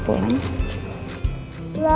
aku mau ke rumah